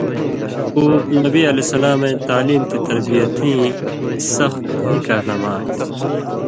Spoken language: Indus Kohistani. اُ نبی علیہ السلام اَئیں تعلیم تَےتربیتئیں سَخ گَھئیں کارنامہ اَئینٚس